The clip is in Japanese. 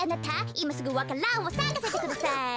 いますぐわか蘭をさかせてください。